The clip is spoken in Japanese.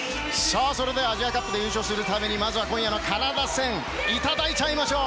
アジアカップで優勝するためにまずは今夜のカナダ戦いただいちゃいましょう。